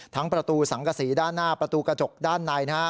ประตูสังกษีด้านหน้าประตูกระจกด้านในนะฮะ